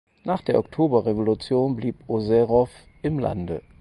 Nach der Oktoberrevolution blieb Oserow im Lande.